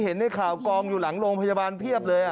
เห็นในข่าวกองอยู่หลังโรงพยาบาลเพียบเลย